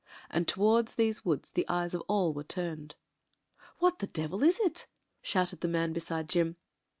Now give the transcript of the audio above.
And towards these woods the eyes of all were turned. "What the devil is it?" shouted the man beside Jim.